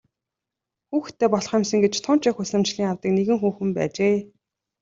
Хүүхэдтэй болох юмсан гэж тун ч их хүсэмжлэн явдаг нэгэн хүүхэн байжээ.